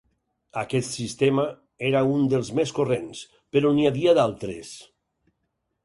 Aquest sistema era un dels més corrents, però n'hi havia d'altres.